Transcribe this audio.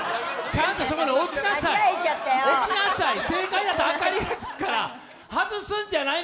ちゃんとそこに置きなさい。